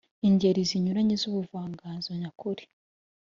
ingeri zinyuranye z’ubuvanganzo nyakuri